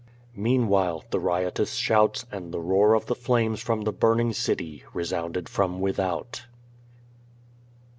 Meanwhile the riotous shouts and the roar of the flames from the burning city resounded from without.